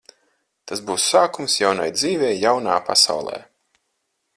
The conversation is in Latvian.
Tas būs sākums jaunai dzīvei jaunā pasaulē.